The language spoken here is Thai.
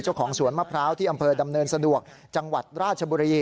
เจ้าของสวนมะพร้าวที่อำเภอดำเนินสะดวกจังหวัดราชบุรี